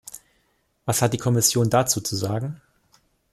Was hat die Kommission dazu zu sagen?